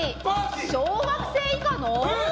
小学生以下の。